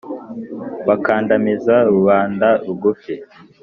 bakandamiza rubanda rugufi